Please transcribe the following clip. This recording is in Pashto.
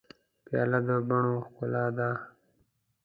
پیاله د بڼو ښکلا ده.